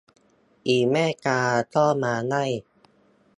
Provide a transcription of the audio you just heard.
อีแม่กาก็มาไล่